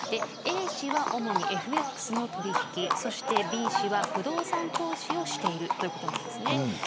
Ａ氏は主にＦＸの取引Ｂ氏は不動産投資をしているということなんですね。